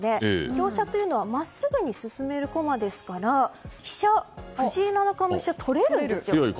香車は真っすぐに進める駒ですから飛車、藤井七冠取れるんですよ。